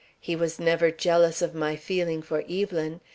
He was never jealous of my feeling for Evelyn.